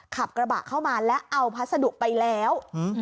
ขับกระบะเข้ามาและเอาพัสดุไปแล้ว